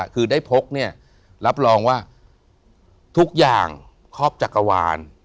คือได้พกเนี่ยรับรองว่าทุกอย่างครอบจักรวาล